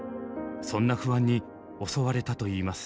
そんな不安に襲われたと言います。